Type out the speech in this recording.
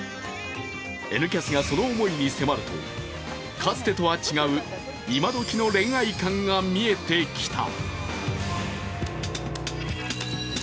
「Ｎキャス」がその思いに迫ると、かつてとは違う今どきの恋愛観が見えてきた。